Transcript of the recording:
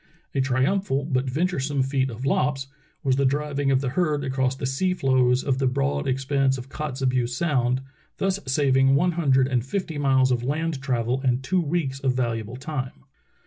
A triumphal but venturesome feat of Lopp's was the driving of the herd across the sea floes of the broad expanse of Kotzebue Sound, thus saving one hundred and fifty miles of land travel and two weeks of valuable time.